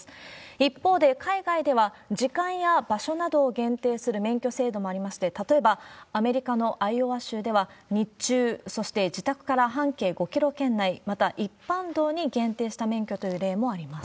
一方で、海外では時間や場所などを限定する免許制度もありまして、例えば、アメリカのアイオワ州では、日中、そして自宅から半径５キロ圏内、また一般道に限定した免許という例もあります。